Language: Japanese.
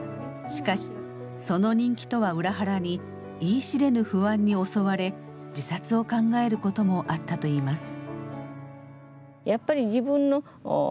しかしその人気とは裏腹に言い知れぬ不安に襲われ自殺を考えることもあったといいます。